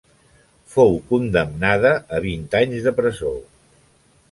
Fou condemnada a vint anys de presó.